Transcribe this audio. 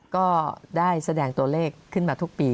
ก็ได้แสดงตัวเลขขึ้นมาทุกปี